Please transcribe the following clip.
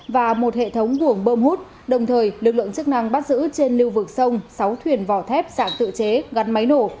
và một hệ thống luồng bơm hút đồng thời lực lượng chức năng bắt giữ trên lưu vực sông sáu thuyền vỏ thép sản tự chế gắn máy nổ